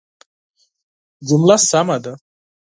جمله سمه ده